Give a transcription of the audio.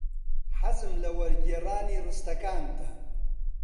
حەزم لە وەرگێڕانی ڕستەکانتانە.